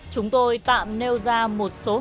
chúng tôi tạm nêu ra một số hợp đồng giao cấp